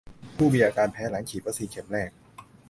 ผู้มีอาการแพ้หลังฉีดวัคซีนเข็มแรก